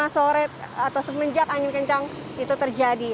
lima sore atau semenjak angin kencang itu terjadi